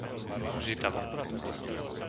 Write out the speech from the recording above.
Žitava